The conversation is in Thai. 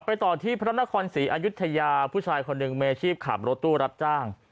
ต่อที่พระนครศรีอายุทยาผู้ชายคนหนึ่งมีอาชีพขับรถตู้รับจ้าง